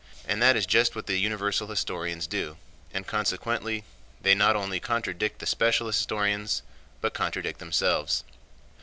And that is just what the universal historians do, and consequently they not only contradict the specialist historians but contradict themselves.